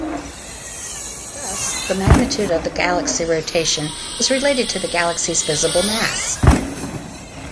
Thus the magnitude of the galaxy rotation is related to the galaxy's visible mass.